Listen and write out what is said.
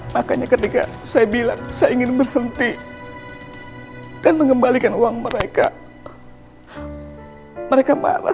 makanya ketika saya bilang saya ingin berhenti dan mengembalikan uang mereka mereka marah